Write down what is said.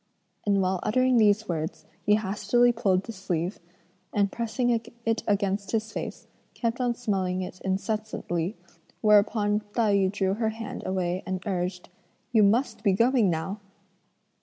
and while uttering these words, he hastily pulled the sleeve, and pressing it against his face, kept on smelling it incessantly, whereupon Tai yü drew her hand away and urged: "You must be going now!"